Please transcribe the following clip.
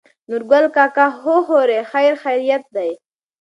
نورګل کاکا: هو خورې خېرخېرت دى.